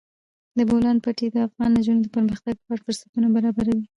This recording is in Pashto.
د بولان پټي د افغان نجونو د پرمختګ لپاره فرصتونه برابروي.